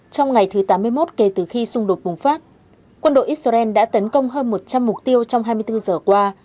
trong ngày thứ tám mươi một kể từ khi xung đột bùng phát quân đội israel đã tấn công hơn một trăm linh mục tiêu trong hai mươi bốn giờ qua